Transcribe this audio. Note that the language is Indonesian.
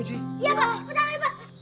iya pak ke dalam ya pak